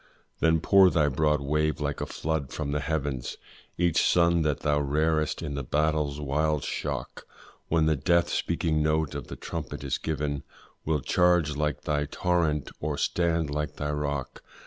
Then pour thy broad wave like a flood from the heavens, Each son that thou rearest, in the battle's wild shock, When the death speaking note of the trumpet is given, Will charge like thy torrent or stand like thy rock.